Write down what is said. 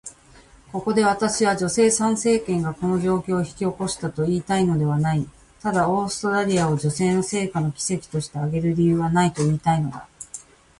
ここで私は、女性参政権がこの状況を引き起こしたと言いたいのではない。ただ、オーストラリアを女性の成果の奇跡として挙げる理由はないと言いたいのだ。